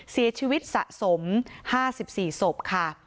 เสียชีวิตสะสม๕๔ศพค่ะ